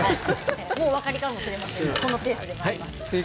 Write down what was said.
もうお分かりかもしれませんがこのペースでまいります。